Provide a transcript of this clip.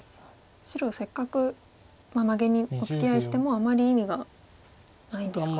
白せっかくマゲにおつきあいしてもあまり意味がないんですか。